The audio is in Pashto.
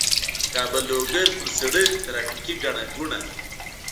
د کابل- لوګر په سړک ترافیکي ګڼه ګوڼه